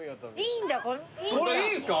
これいいんすか？